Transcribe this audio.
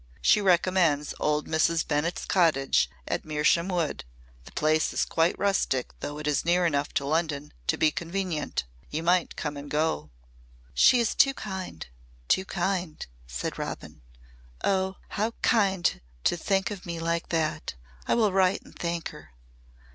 She recommends old Mrs. Bennett's cottage at Mersham Wood. The place is quite rustic though it is near enough to London to be convenient. You might come and go." "She is too kind too kind," said Robin. "Oh! how kind to think of me like that. I will write and thank her."